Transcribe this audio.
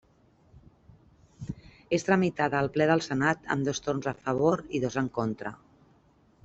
És tramitada al Ple del Senat amb dos torns a favor i dos en contra.